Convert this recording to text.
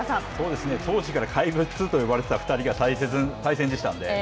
当時から怪物と呼ばれていた２人の対戦でしたので。